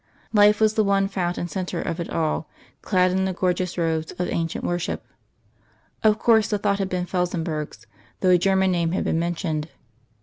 Life was the one fount and centre of it all, clad in the gorgeous robes of ancient worship. Of course the thought had been Felsenburgh's, though a German name had been mentioned.